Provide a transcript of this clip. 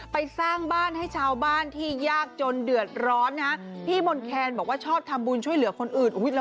สร้างบ้านให้ชาวบ้านที่ยากจนเดือดร้อนนะฮะพี่มนต์แคนบอกว่าชอบทำบุญช่วยเหลือคนอื่น